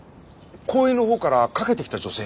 公園のほうから駆けてきた女性。